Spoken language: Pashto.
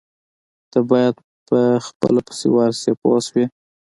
تۀ باید په خپله پسې ورشې پوه شوې!.